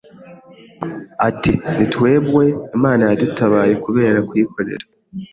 Ati ni twebwe Imana yadutabaye kubera kuyikorera